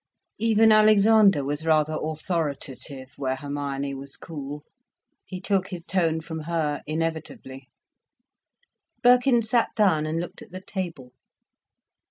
Even Alexander was rather authoritative where Hermione was cool. He took his tone from her, inevitably. Birkin sat down and looked at the table.